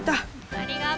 ありがとう。